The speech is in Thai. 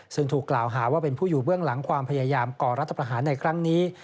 ซึ่งถูกกล่าวหาว่าเป็นผู้อยู่เบื้องหลังความพยายามก่อรัฐประหารในครั้งนี้